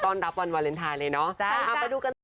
ต้อนรับวันวาเลนไทยเลยเนอะเอาไปดูกันนะสวัสดีค่ะ